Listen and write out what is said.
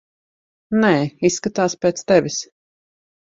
Nē, izskatās pēc tevis.